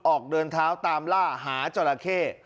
ออกเดินเท้าตามล่าหาจราเข้